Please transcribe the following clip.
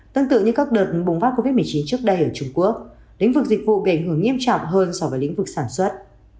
tương tự như các đợt bùng phát covid một mươi chín trước đây ở trung quốc lĩnh vực dịch vụ bị ảnh hưởng nghiêm trọng hơn so với lĩnh vực sản xuất